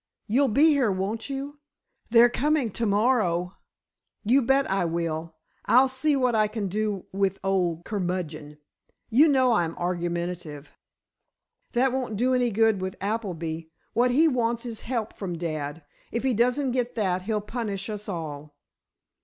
You'll be here, won't you? They're coming to morrow." "You bet I will! I'll see what I can do with old curmudgeon. You know I'm argumentative." "That won't do any good with Appleby. What he wants is help from dad. If he doesn't get that, he'll punish us all."